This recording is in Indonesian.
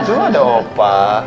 tuh ada opa